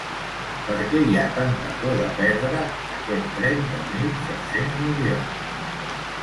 Per què hi ha tanta por de perdre aquest tren de mil set-cents milions?